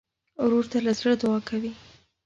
ورور ته له زړه دعا کوې.